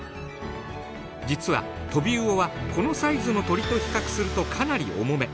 実はトビウオはこのサイズの鳥と比較するとかなり重め。